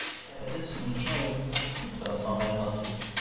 Er ist mit Joy Zapanta verheiratet.